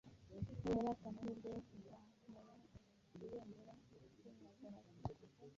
Pawulo yari afite amahirwe yo kuzamura ibendera ry’umusaraba